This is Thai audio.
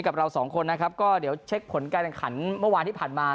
กับเราสองคนนะครับก็เดี๋ยวเช็คผลการแข่งขันเมื่อวานที่ผ่านมา